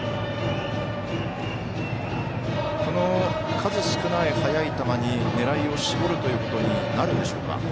数少ない速い球に狙いを絞るということになるんでしょうか。